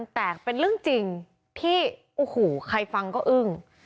แต่เป็นเรื่องจริงที่โอ้โหใครฟังก็อึ้ง